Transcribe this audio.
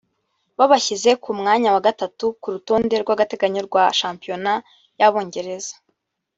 byabashyize ku mwanya wa gatatu ku rutonde rw’agateganyo rwa shampiyona y’Abongereza